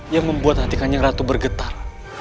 yang membuat hati kanyang ratu bergetar